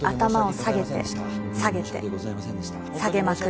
下げまくる。